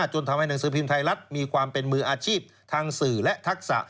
จนทำให้หนังสือพิมพ์ไทยรัฐมีความเป็นมืออาชีพทางสื่อและทักษะ